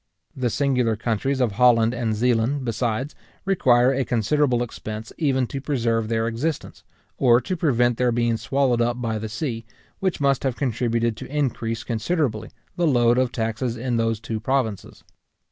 The singular countries of Holland and Zealand, besides, require a considerable expense even to preserve their existence, or to prevent their being swallowed up by the sea, which must have contributed to increase considerably the load of taxes in those two provinces.